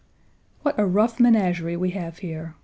What a rough menagerie we have here.